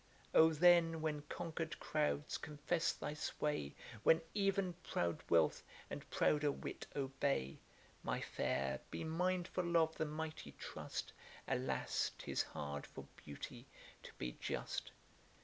O then, when conquered crouds confess thy sway, When ev'n proud wealth and prouder wit obey, My fair, be mindful of the mighty trust, Alas! 'tis hard for beauty to be just.